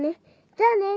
じゃあね。